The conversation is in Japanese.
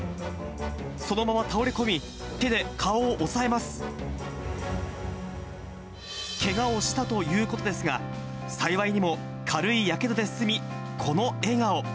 そのまま倒れ込み、けがをしたということですが、幸いにも軽いやけどで済み、この笑顔。